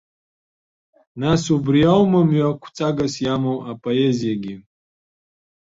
Нас убри оума мҩақәҵагас иамоу апоезиагьы?